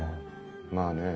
まあねえ